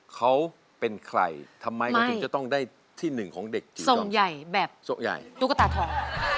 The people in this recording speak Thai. เขาเป็นใครทำไมเขาถึงจะต้องได้ที่หนึ่งของเด็กจริงทรงใหญ่แบบทรงใหญ่ตุ๊กตาทอง